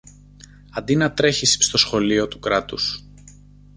Αντί να τρέχεις στο Σχολείο του Κράτους